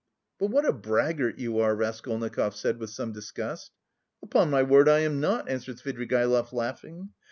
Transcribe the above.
"But what a braggart you are," Raskolnikov said with some disgust. "Upon my word, I am not," answered Svidrigaïlov laughing.